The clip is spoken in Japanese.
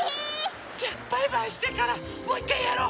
じゃあバイバイしてからもういっかいやろう。